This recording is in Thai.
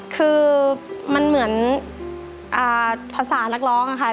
คือมันเหมือนภาษานักร้องค่ะ